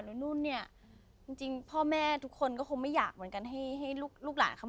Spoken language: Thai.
แต่จริงหนูว่าไม่อยากให้เด็ก